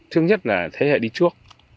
trước nhất là thế hệ đi trước